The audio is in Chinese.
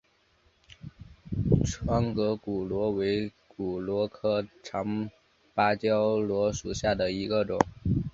窗格骨螺为骨螺科长芭蕉螺属下的一个种。